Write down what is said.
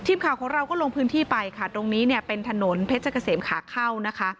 ทีมข่าวของเราก็ลงพื้นที่ไปค่ะตรงนี้เนี่ยเป็นถนนเพชรเกษมขาเข้านะคะ